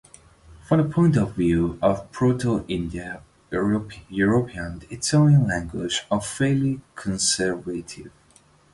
From the point of view of Proto-Indo-European, the Italic languages are fairly conservative.